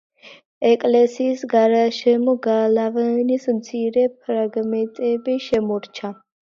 ეკლესიის გარშემო გალავნის მცირე ფრაგმენტები შემორჩა.